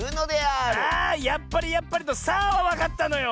あ「やっぱり！やっぱり！」の「さあ！」はわかったのよ。